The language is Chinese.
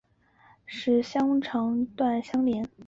本站与建设中的及索科利尼基线延长段相连。